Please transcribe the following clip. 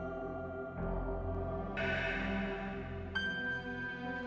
yang sama sesuatu